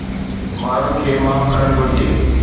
ماڻهن کي معاف ڪرڻ گهرجي